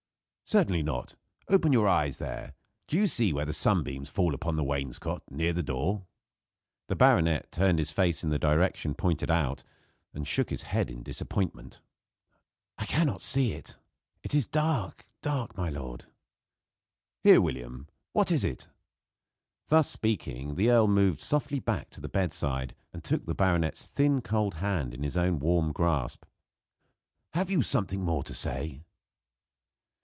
"Certainly not. Open your eyes there. Do you see where the sunbeams fall upon the wainscot, near the door?" The baronet turned his face in the direction pointed out and shook his head in disappointment. "I can not see it. It is dark dark. My lord." "Here, William. What is it?" Thus speaking, the earl moved softly back to the bedside and took the baronet's thin, cold hand in his own warm grasp. "Have you something more to say?"